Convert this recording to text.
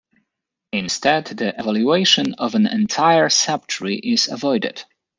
Instead, the evaluation of an entire subtree is avoided.